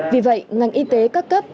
vì vậy ngành y tế các cấp